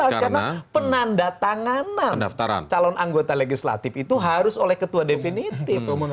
karena penanda tanganan calon anggota legislatif itu harus oleh ketua definitif